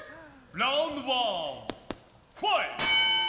ラウンドワンファイト！